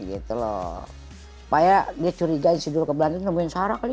supaya dia curiga disitu ke belanda nungguin sarah kali